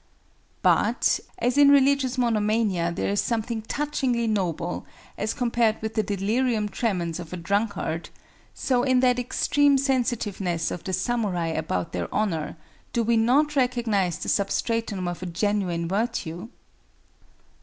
But, as in religious monomania there is something touchingly noble, as compared with the delirium tremens of a drunkard, so in that extreme sensitiveness of the samurai about their honor do we not recognize the substratum of a genuine virtue?